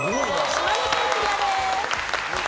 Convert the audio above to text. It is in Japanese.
島根県クリアです。